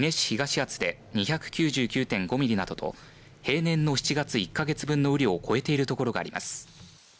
厚保で２９９．５ミリなどと平年の７月、１か月分の雨量を超えているところがあります。